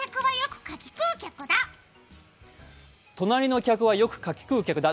隣の客はよく柿食う客だ。